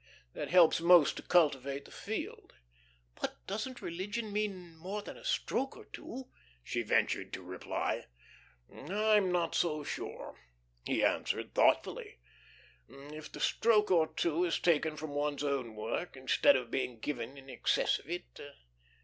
that helps most to cultivate the field." "But doesn't religion mean more than a stroke or two?" she ventured to reply. "I'm not so sure," he answered, thoughtfully. "If the stroke or two is taken from one's own work instead of being given in excess of it.